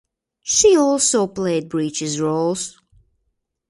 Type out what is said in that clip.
She also played breeches roles.